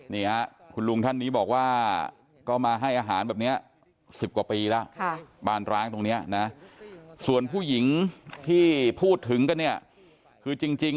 นี่ฮะคุณลุงท่านนี้บอกว่าก็มาให้อาหารแบบนี้๑๐กว่าปีแล้วบ้านร้างตรงนี้นะส่วนผู้หญิงที่พูดถึงกันเนี่ยคือจริง